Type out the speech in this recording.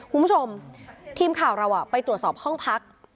คุณผู้ชมทีมข่าวเราไปตรวจสอบห้องพัก